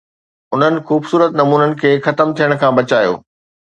انهن خوبصورت نمونن کي ختم ٿيڻ کان بچايو